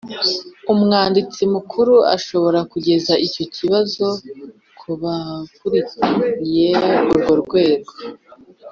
Umwanditsi Mukuru ashobora kugeza icyo kibazo ku bakuriye urwo rwego